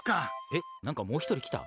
えっ、なんかもう一人来た？